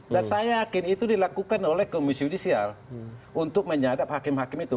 dan saya yakin itu dilakukan oleh komisi judisial untuk menyadap hakim hakim itu